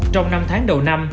trong năm tháng đầu năm